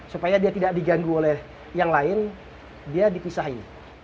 supaya dia tidak diganggu oleh yang lain dia dipisahin